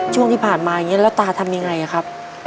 ช่วงที่ผ่านมาแบบนี้แล้วนายทำอย่างไรครับ